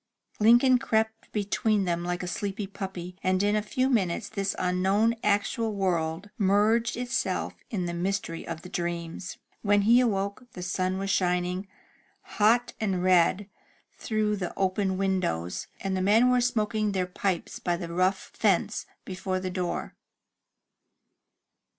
Lincoln crept between them like a sleepy puppy, and in a few minutes this unknown actual world merged itself in the mystery of dreams. When he woke, the sun was shining, hot and red, through the i86 THE TREASURE CHEST open windows, and the men were smoking their pipes by the rough fence before the door.